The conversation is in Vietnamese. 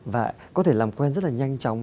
và có thể làm quen rất là nhanh chóng